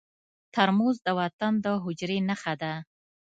ترموز د وطن د حجرې نښه ده.